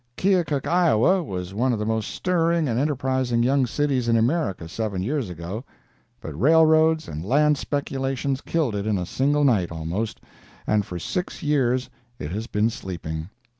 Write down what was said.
Keokuk, Iowa, was one of the most stirring and enterprising young cities in America seven years ago, but railroads and land speculations killed it in a single night, almost, and for six years it has been sleeping.